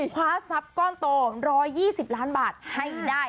คว้าทรัพย์ก้อนโต๑๒๐ล้านบาทให้ได้